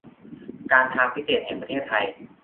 การทางพิเศษแห่งประเทศไทย